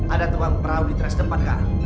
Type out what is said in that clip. ada teman perahu di teras tempat kak